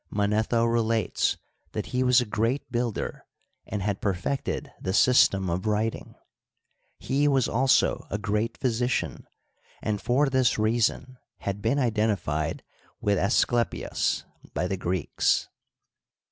Manetho relates that he was a g^at builder, and had perfected the system of writing. He was also a great physician, and for this reason had been iden tified with Asclepios by the Greeks.